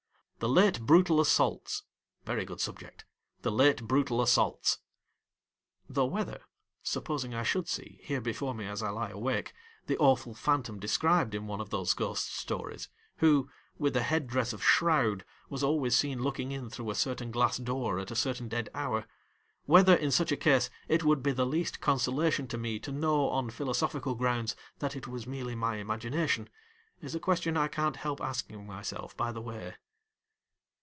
The late brutal assaults. Very good^subject. The late brutal assaults. (Though whether, supposing I should see, here before me as I lie awake, the awful phantom described in one of those ghost stories, who, with a head dress of shroud, was always seen looking in through a certain glass door at a certain dead hour — whether, in such a case it would be the least consolation to me to know on philosophical grounds that it was merely my imagination, is a question I can't help asking myself by the way.)